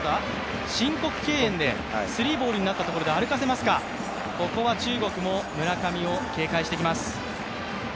申告敬遠でスリーボールになったところで歩かせますか、ここは中国も村上を警戒してきます。